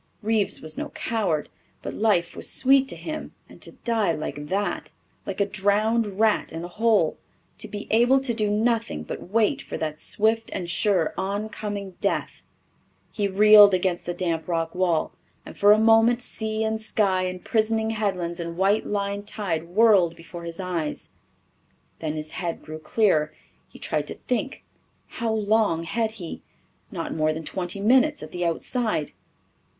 Reeves was no coward, but life was sweet to him, and to die like that like a drowned rat in a hole to be able to do nothing but wait for that swift and sure oncoming death! He reeled against the damp rock wall, and for a moment sea and sky and prisoning headlands and white lined tide whirled before his eyes. Then his head grew clearer. He tried to think. How long had he? Not more than twenty minutes at the outside.